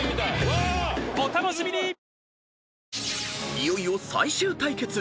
［いよいよ最終対決。